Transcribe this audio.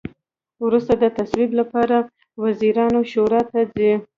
وروسته د تصویب لپاره وزیرانو شورا ته ځي.